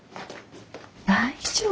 大丈夫？